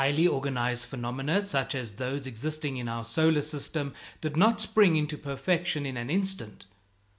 Highly organized phenomena such as those existing in our solar system did not spring into perfection in an instant.